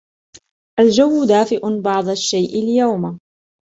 الجو دافئ بعض الشيء اليوم.